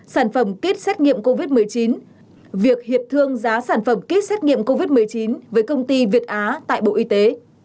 sản phẩm kit xét nghiệm covid một mươi chín việc hiệp thương giá sản phẩm kýt xét nghiệm covid một mươi chín với công ty việt á tại bộ y tế